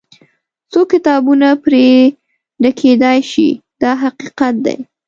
څو کتابونه پرې ډکېدای شي دا حقیقت دی.